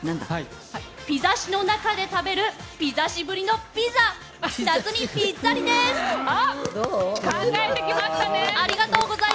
ピザしの中で食べるピザしぶりのピザ考えてきましたね。